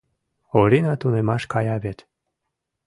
— Орина тунемаш кая вет...